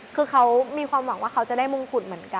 คือเขามีความหวังว่าเขาจะได้มงกุฎเหมือนกัน